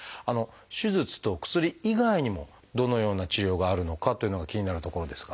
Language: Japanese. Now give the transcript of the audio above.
手術と薬以外にもどのような治療があるのかというのが気になるところですが。